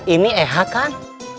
ini eha kan